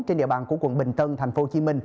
trên địa bàn của quận bình tân tp hcm